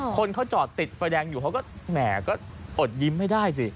คนเขาจอดติดไฟแดงอยู่เขาก็แหมก็อดยิ้มไม่ได้สิ